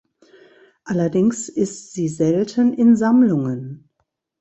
Allerdings ist sie selten in Sammlungen.